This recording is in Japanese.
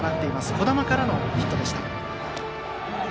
児玉からのヒットでした。